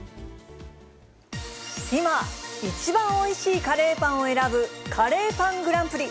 今、一番おいしいカレーパンを選ぶ、カレーパングランプリ。